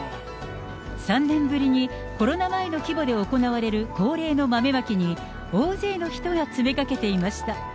３年ぶりに、コロナ前の規模で行われる恒例の豆まきに、大勢の人が詰めかけていました。